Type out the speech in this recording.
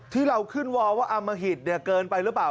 ที่เราขึ้นวอลว่าอมหิตเกินไปหรือเปล่า